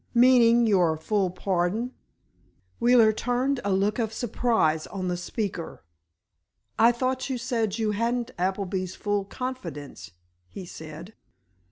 "Meaning your full pardon?" Wheeler turned a look of surprise on the speaker. "I thought you said you hadn't Appleby's full confidence," he said.